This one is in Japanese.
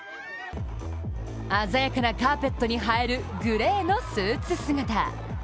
鮮やかなカーペットに映えるグレーのスーツ姿。